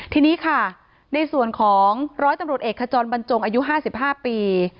ทีนี้ค่ะในส่วนของร้อยตำรวจเอกขจรบรรจงอายุ๕๕ปี